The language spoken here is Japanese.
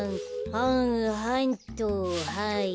はんはんっとはいはい。